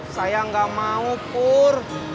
saya gak mau pur